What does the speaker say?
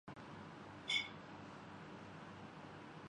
Pakistani media میں اتنی جرآت نہیں کہ